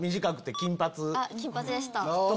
金髪でした。